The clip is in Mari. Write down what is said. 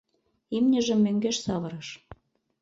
Имньыжым мӧҥгеш савырыш.